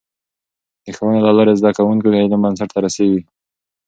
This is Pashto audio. د ښوونې له لارې، زده کوونکي د علم بنسټ ته رسېږي.